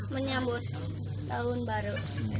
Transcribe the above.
menyambut tahun baru